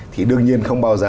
thì đương nhiên không bao giờ